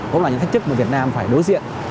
cũng là những thách thức mà việt nam phải đối diện